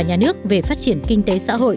nhà nước về phát triển kinh tế xã hội